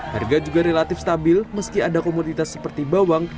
harga juga relatif stabil meski ada komoditas seperti bawang